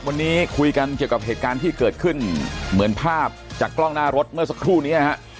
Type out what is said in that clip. วันนี้คุยกันเกี่ยวกับเหตุการณ์ที่เกิดขึ้นเหมือนภาพจากกล้องหน้ารถเมื่อสักครู่นี้ฮะ